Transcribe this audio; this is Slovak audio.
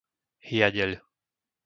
Hiadeľ